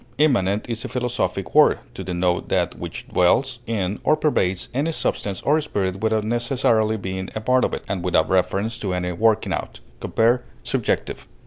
Immanent is a philosophic word, to denote that which dwells in or pervades any substance or spirit without necessarily being a part of it, and without reference to any working out (compare SUBJECTIVE).